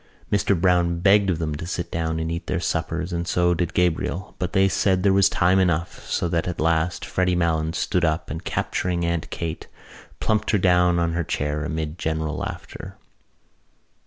Mr Browne begged of them to sit down and eat their suppers and so did Gabriel but they said they were time enough so that, at last, Freddy Malins stood up and, capturing Aunt Kate, plumped her down on her chair amid general laughter.